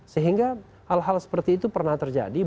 sehingga hal hal seperti itu pernah terjadi